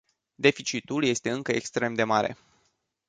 Deficitul este încă extrem de mare.